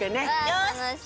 よし。